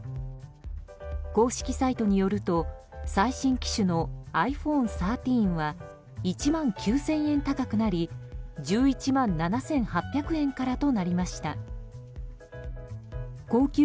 公式サイトによると最新機種のｉＰｈｏｎｅ１３は１万９０００円高くなり１１万７８００円からとなりました。